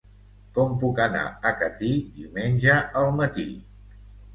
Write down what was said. Com puc anar a Catí diumenge al matí?